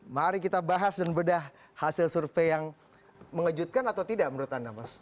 mari kita bahas dan bedah hasil survei yang mengejutkan atau tidak menurut anda mas